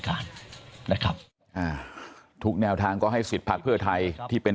การนะครับอ่าทุกแนวทางก็ให้สิทธิ์พักเพื่อไทยที่เป็น